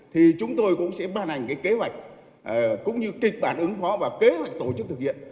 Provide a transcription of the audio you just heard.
thì chúng tôi cũng sẽ ban hành cái kế hoạch cũng như kịch bản ứng phó và kế hoạch tổ chức thực hiện